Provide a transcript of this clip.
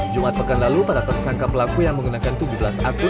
jumat pekan lalu para tersangka pelaku yang menggunakan tujuh belas akun